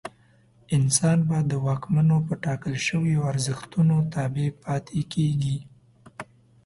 انسان به د واکمنو په ټاکل شویو ارزښتونو تابع پاتې کېږي.